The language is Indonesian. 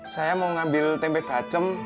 saya mau ngambil tempe kacem